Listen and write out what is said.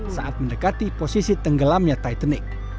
saat mendekati posisi tenggelamnya titanic